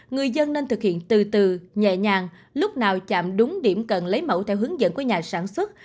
người dân nên thực hiện từ từ nhẹ nhàng lúc nào chạm đúng điểm cần lấy mẫu theo hướng dẫn của nhà sản xuất